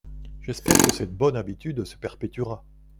J’espère que cette bonne habitude se perpétuera.